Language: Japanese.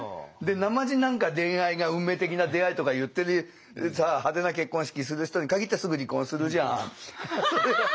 でなまじ何か恋愛が運命的な出会いとか言ってるさ派手な結婚式する人にかぎってすぐ離婚するじゃん。